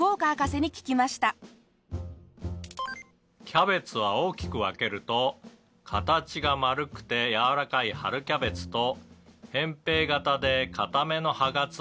「キャベツは大きく分けると形が丸くてやわらかい春キャベツと扁平形で硬めの葉が詰まっている冬